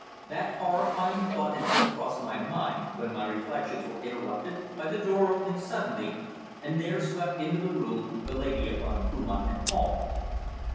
That horrifying thought had just crossed my mind when my reflections were interrupted by the door opening suddenly and there swept into the room the lady upon whom I had called.